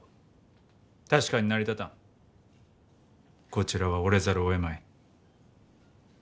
こちらは折れざるをえまい。